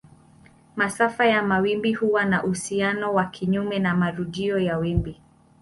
Masafa ya mawimbi huwa na uhusiano wa kinyume na marudio ya wimbi.